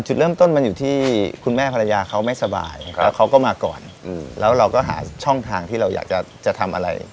จุดเริ่มต้นมันอยู่ที่คุณแม่ภรรยาเขาไม่สบายแล้วเขาก็มาก่อนแล้วเราก็หาช่องทางที่เราอยากจะทำอะไร